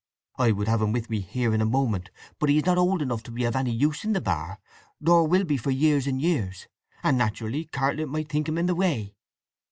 I would have him with me here in a moment, but he is not old enough to be of any use in the bar nor will be for years and years, and naturally Cartlett might think him in the way.